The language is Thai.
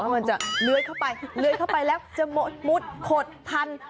มันจะเลื้อเข้าไปแล้วจะหมดมุดโผดพันธุ์